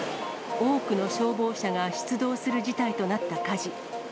多くの消防車が出動する事態となった火事。